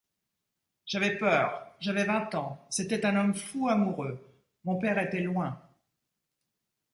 J'avais peur, j'avais vingt ans, c'était un homme fou amoureux, mon père était loin.